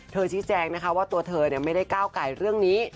ชี้แจงนะคะว่าตัวเธอไม่ได้ก้าวไก่เรื่องนี้